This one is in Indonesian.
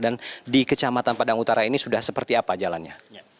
dan di kecamatan padang utara ini sudah seperti apa jalannya